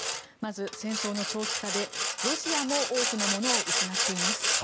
まず戦争の長期化でロシアも多くのものを失っています。